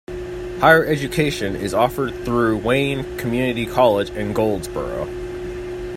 Higher education is offered through Wayne Community College in Goldsboro.